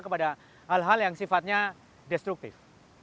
kepada hal hal yang sifatnya destruktif